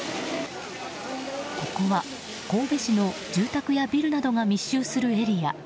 ここは神戸市の住宅やビルなどが密集するエリア。